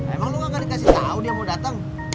emang lu gak dikasih tau dia mau dateng